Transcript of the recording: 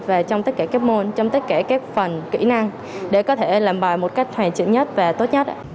và trong tất cả các môn trong tất cả các phần kỹ năng để có thể làm bài một cách hoàn chỉnh nhất và tốt nhất